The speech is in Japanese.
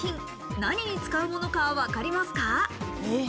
何に使うものか、わかりますか？